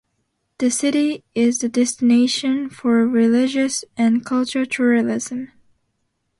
The city is a destination for religious and cultural tourism.